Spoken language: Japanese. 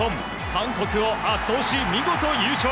韓国を圧倒し見事優勝。